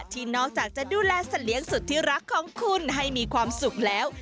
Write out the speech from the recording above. ที่นอกจากจะดูแลสัตว์เลี้ยงสุดที่รักของคุณให้มีความสุขแล้ว